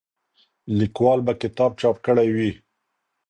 لیکوال به کتاب چاپ کړی وي.